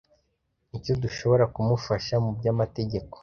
nicyo dushobora kumufasha mu by’amategeko